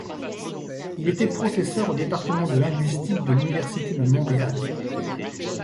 Il était professeur au Département de linguistique de l'Université de Montréal.